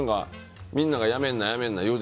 みんなが、やめんなやめんな